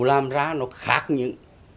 làm ra nó khác những